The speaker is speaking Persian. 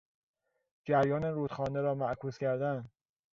جریان رودخانه را معکوس کردن